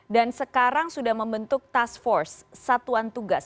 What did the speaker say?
dan sekarang sudah membentuk task force satuan tugas